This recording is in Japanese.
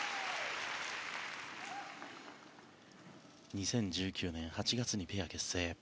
２０１９年８月にペア結成。